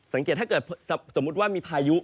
สังเกตถ้าเกิดสมมติว่ามีพายุ